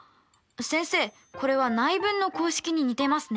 先生これは内分の公式に似てますね。